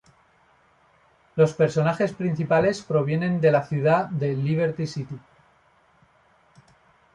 Los personajes principales provienen de la ciudad de Liberty City.